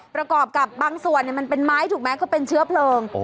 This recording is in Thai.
ประกอบกับบางส่วนมันเป็นไม้ถูกไหมก็เป็นเชื้อเพลิง